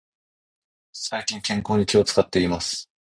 最近、健康に気を使っています。